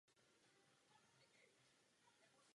Pánev je tvořena vápencem z období ordoviku.